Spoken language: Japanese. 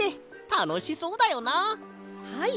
はい！